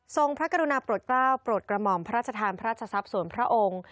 พระกรุณาปลดกล้าปลดกระหม่อมพระราชทานพระราชทรัพย์ส่วนพระองค์